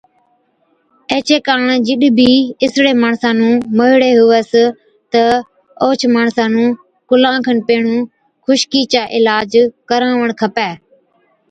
ايڇي ڪاڻ جِڏ بِي اِسڙي ماڻسا نُون موهِيڙي هُوس تہ اوهچ ماڻسا نُون ڪُلان کن پيهڻُون خشڪِي چا عِلاج ڪراوَڻ کپَي۔